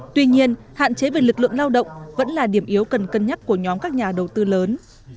tuy nhiên hạn chế về lực lượng lao động vẫn là điểm yếu cần cân nhắc của nhóm các nhà đầu tư lớn